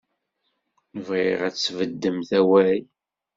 Bɣiɣ ad tesbeddemt awal.